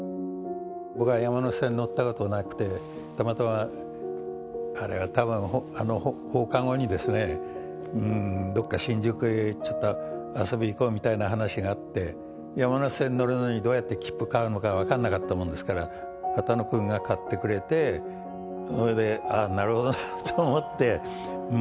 僕は山手線に乗ったことがなくて、たまたま、あれはたぶん放課後に、どっか新宿へ、ちょっと遊びに行こうみたいな話があって、山手線乗るのに、どうやって切符買うのか分かんなかったもんですから、波多野君が買ってくれて、それで、あっ、なるほどなと思って。